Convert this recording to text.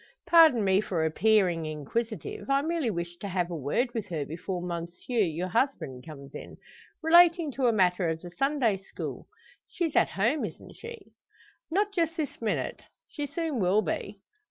Pardon me for appearing inquisitive. I merely wish to have a word with her before monsieur, your husband, comes in relating to a matter of the Sunday school. She's at home, isn't she?" "Not just this minute. She soon will be."